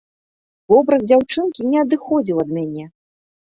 Вобраз дзяўчынкі не адыходзіў ад мяне.